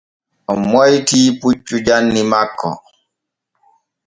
O moytii puccu janni makko.